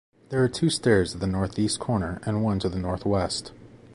There are two stairs to the northeast corner and one to the northwest.